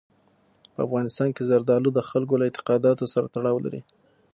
په افغانستان کې زردالو د خلکو له اعتقاداتو سره تړاو لري.